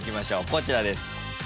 こちらです。